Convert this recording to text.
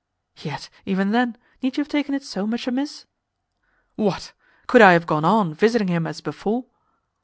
"Yet, even then, need you have taken it so much amiss?" "What? Could I have gone on visiting him as before?"